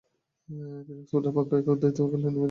তিনি অক্সফোর্ডের পক্ষে একক ও দ্বৈত খেলায় প্রতিনিধিত্ব করেন।